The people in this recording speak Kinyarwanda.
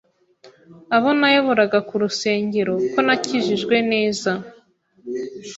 abo nayoboraga kurusengero ko nakijijwe neza